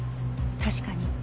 確かに。